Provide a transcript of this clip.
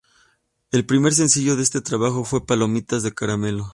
El primer sencillo de este trabajo fue "Palomitas de Caramelo".